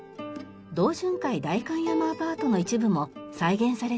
同潤会代官山アパートの一部も再現されています。